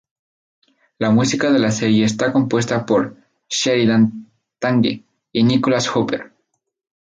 La música de la serie está compuesta por Sheridan Tongue y Nicholas Hooper.